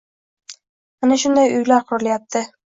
Mana shunday uylar qurilyapti